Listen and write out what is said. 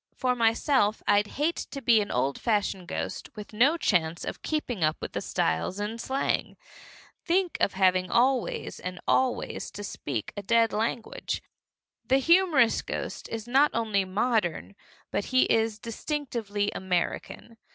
For myself, I'd hate to be an old fashioned ghost with no chance to keep up with the styles in slang. Think of having always and always to speak a dead language! The humorous ghost is not only modern, but he is distinctively American.